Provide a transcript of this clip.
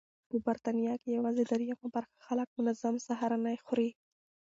په بریتانیا کې یوازې درېیمه برخه خلک منظم سهارنۍ خوري.